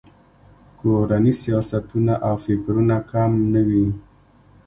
کورني سیاستونه او فکرونه کم نه وي.